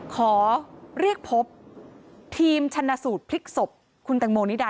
ขอเรียกพบทีมชนะสูตรพลิกศพคุณแตงโมนิดา